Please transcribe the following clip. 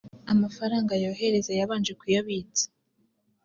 amafaranga yohereza yabanje kuyabitsa